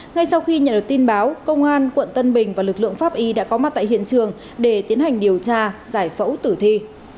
ngay sau khi nhận được tin báo công an quận tân bình và lực lượng pháp y đã có mặt tại hiện trường để tiến hành điều tra giải phẫu tử thi